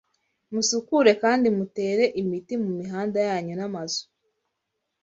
Musukure kandi mutere imiti mu mihanda yanyu n’amazu